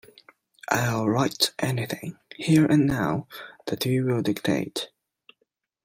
I will write anything, here and now, that you will dictate.